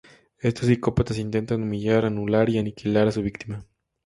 Estos psicópatas intentan humillar, anular, y aniquilar a su víctima.